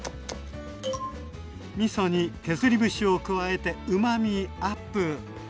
みそに削り節を加えてうまみアップ。